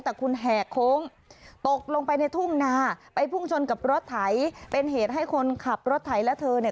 แต่คุณแหกโค้งตกลงไปในทุ่งนาไปพุ่งชนกับรถไถเป็นเหตุให้คนขับรถไถและเธอเนี่ย